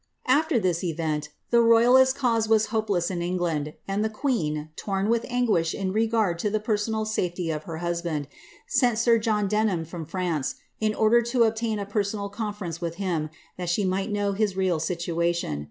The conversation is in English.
After this !veiit, the royalist cause was hopeless in England, and the queen, torn vith anguish in regard to the personal safety of her husband, sent sir fohn Denham from France,' in order to obtain a personal conference vith him, that she might know his real situation.